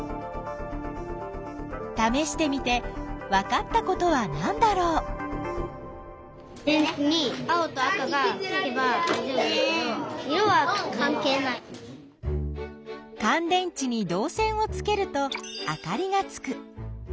ためしてみてわかったことはなんだろう？かん電池にどう線をつけるとあかりがつく。